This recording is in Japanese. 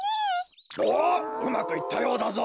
おっうまくいったようだぞ。